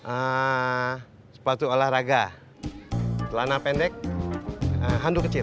eee sepatu olahraga celana pendek handuk kecil